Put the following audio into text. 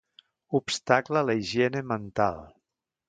Obstacle a la higiene mental.